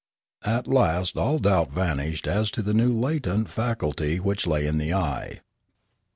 At last all doubt vanished as to the new latent faculty which lay in the eye.